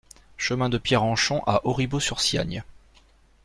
Chemin de Pierrenchon à Auribeau-sur-Siagne